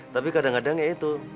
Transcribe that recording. tapi kadang kadang ya itu